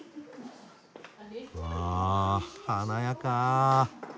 わあ華やか。